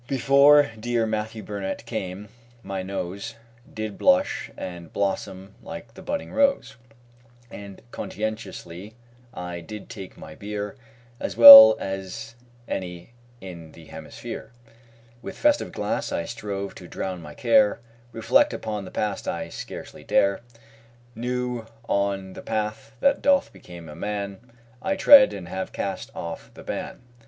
Before dear MATTHEW BURNETT came, my nose Did blush and blossom like the budding rose, And, conscientiously, I did take my beer As well as any in the hemisphere. With festive glass I strove to drown my care Reflect upon the past I scarcely dare New on the path that doth become a man, I tread, and have cast off the ban.